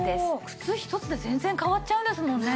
靴一つで全然変わっちゃうんですもんね。